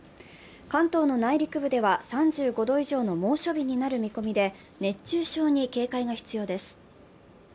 関東の内陸部では３５度以上の猛暑日になる見込みで熱中症に警戒が必要です。